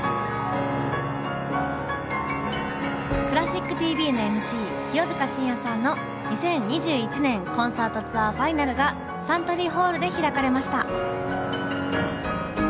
クラシックＴＶのＭＣ清塚信也さんの２０２１年コンサートツアーファイナルがサントリーホールで開かれました。